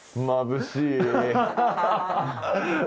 まぶしい。